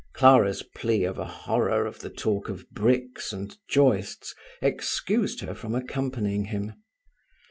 Clara's plea of a horror of the talk of bricks and joists excused her from accompanying him.